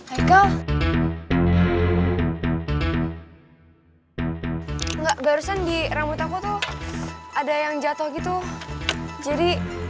eko enggak barusan di rambut aku tuh ada yang jatuh gitu jadi